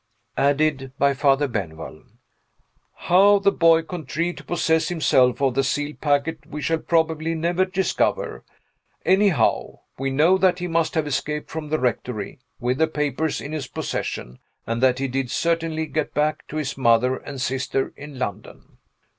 Added by Father Benwell. How the boy contrived to possess himself of the sealed packet we shall probably never discover. Anyhow, we know that he must have escaped from the rectory, with the papers in his possession, and that he did certainly get back to his mother and sister in London.